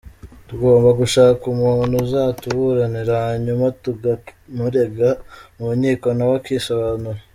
tugomba gushaka umuntu uzatuburanira, hanyuma tukamurega mu nkiko nawe akisobanura.